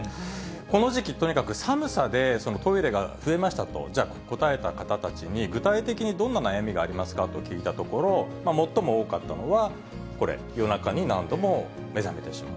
この時期、とにかく寒さでトイレが増えましたと、じゃあ、答えた方たちに、具体的にどんな悩みがありますかと聞いたところ、最も多かったのは、これ、夜中に何度も目覚めてしまう。